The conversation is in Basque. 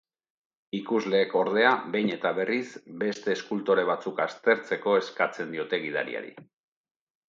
Ikusleek, ordea, behin eta berriz beste eskultore batzuk aztertzeko eskatzen diote gidariari.